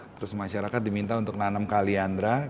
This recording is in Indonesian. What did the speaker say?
terus masyarakat diminta untuk nanam kaliandra